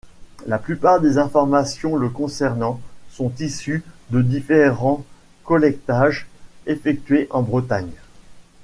La plupart des informations le concernant sont issues de différents collectages effectués en Bretagne.